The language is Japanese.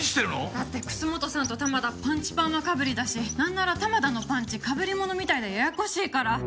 だって楠本さんと玉田パンチパーマかぶりだしなんなら玉田のパンチかぶりものみたいでややこしいから。